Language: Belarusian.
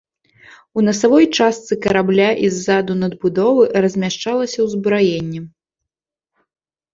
У насавой частцы карабля і ззаду надбудовы размяшчалася ўзбраенне.